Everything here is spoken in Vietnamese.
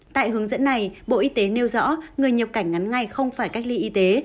tại hướng dẫn này bộ y tế nêu rõ người nhập cảnh ngắn ngày không phải cách ly y tế